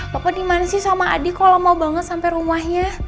bapak dimana sih sama adi kalau mau banget sampai rumahnya